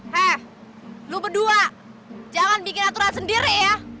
hei lo berdua jangan bikin aturan sendiri ya